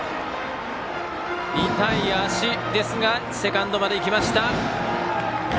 痛い足ですがセカンドまで行きました！